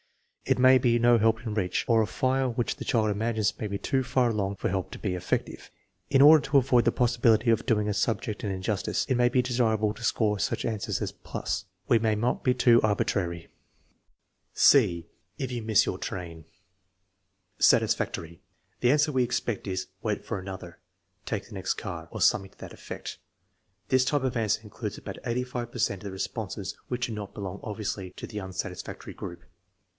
There may be no help in reach, or a fire which the child imagines may be too far along for help to be effective. In order to avoid the possibility of doing a subject an injustice, it may be desirable to score such answers plus. We must not be too arbitrary. (c) // you miss your train Satisfactory. The answer we expect is, "Wait .for another," "Take the next car," or something to that effect. This type of answer includes about 85 per cent of the responses which do not belong obviously in the unsatisfactory group.